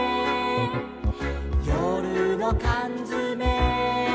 「よるのかんづめ」